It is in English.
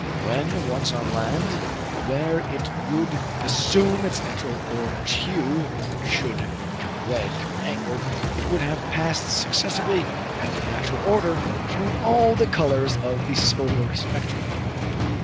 When once on land, where it would assume its natural orange hue, if it should become red through anger, it would have passed successively and in natural order through all the colors of the solar spectrum.